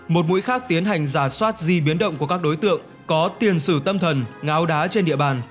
một mũi khác tiến hành giả soát di biến động của các đối tượng có tiền sử tâm thần ngáo đá trên địa bàn